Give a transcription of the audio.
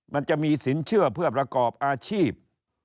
มันจะมีสินเชื่อเพื่อประกอบอาชีพ